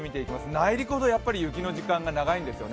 内陸ほど雪の時間が長いんですよね。